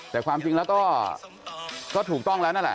แต่ความจริงแล้วก็ถูกต้องแล้วนั่นแหละ